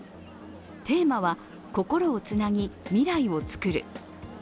テーマは、「心をつなぎ、未来を創る」。